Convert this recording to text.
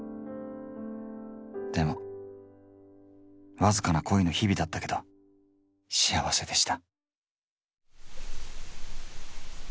でもわずかな恋の日々だったけど幸せでした。